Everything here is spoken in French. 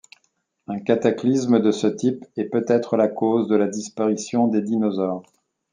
Un cataclysme de ce type est peut-être la cause de la disparition des dinosaures.